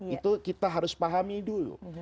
itu kita harus pahami dulu